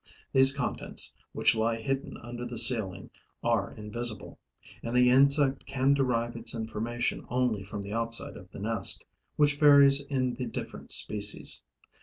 These contents, which lie hidden under the ceiling, are invisible; and the insect can derive its information only from the outside of the nest, which varies in the different species.